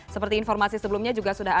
seperti informasi sebelumnya juga sudah ada